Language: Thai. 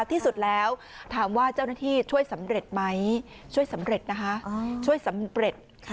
ที่สุดแล้วถามว่าเจ้าหน้าที่ช่วยสำเร็จไหมช่วยสำเร็จนะคะช่วยสำเร็จ